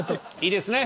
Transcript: いいですね。